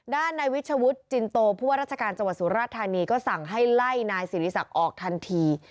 ด้านในวิชวุฒิจินโตผู้ว่าราชการจังหวัดสุราชธานีก็สั่งให้ไล่นายสิริศักดิ์ออกทันที